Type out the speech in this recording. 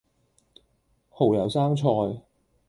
蠔油生菜